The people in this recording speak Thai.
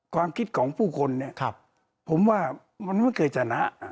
ความคิดของผู้คนเนี่ยผมว่ามันไม่เคยชนะ